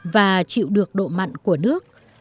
và chịu được độ mặn của nước